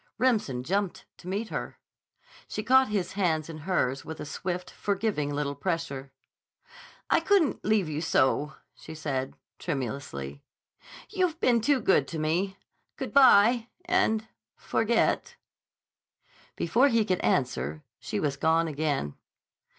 Remsen jumped to meet her. She caught his hands in hers with a swift, forgiving little pressure. "I couldn't leave you so," she said tremulously. "You've been too good to me. Good bye, and—forget." Before he could answer she was gone again.